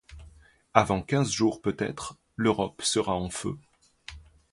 Avant quinze jours peut-être, l'Europe sera en feu.